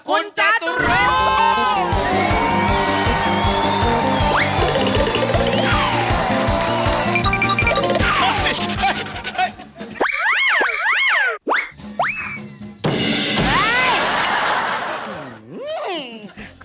คุณจาตุเรโอ